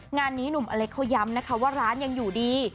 งานนี้หนุ่มอเล็กเขาย้ำนะคะว่าร้านยังอยู่ดี